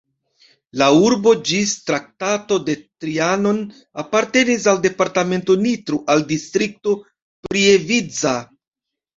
La urbo ĝis Traktato de Trianon apartenis al departemento Nitro, al Distrikto Prievidza.